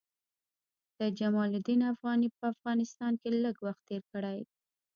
سید جمال الدین افغاني په افغانستان کې لږ وخت تېر کړی.